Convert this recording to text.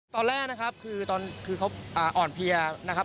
ตอนแรกนะครับคือเขาอ่อนเพียร์